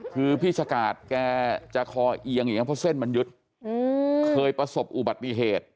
คือพี่ชะกาดแกจะคอเอียงอย่างนี้เพราะเส้นมันยึดเคยประสบอุบัติเหตุ